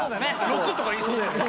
６とか言いそうだよね。